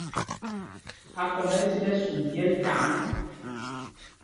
Akɔm ɛ́ ɛ́ sil ɛsum myɛl taŋ.